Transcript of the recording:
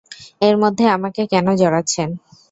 এর মধ্যে আমাকে কেন জড়াচ্ছেন?